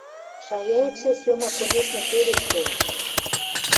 – Шаяэтшӹ, Сёма, конечно, тӧреш толеш.